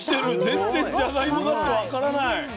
全然じゃがいもだって分からない。